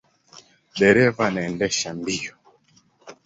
Dereva anaendesha mbio.